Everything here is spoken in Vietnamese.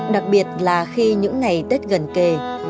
đặc biệt là khi những ngày tết gần kề